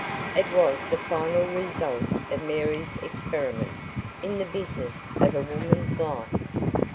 It was the final result of Mary's experiment in the business of a woman's life.